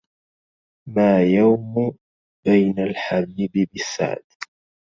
ما يوم بين الحبيب بالسعد